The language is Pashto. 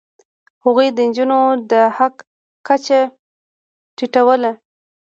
هغوی د نجونو د حق کچه ټیټوله.